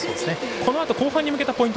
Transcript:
このあと後半に向けたポイント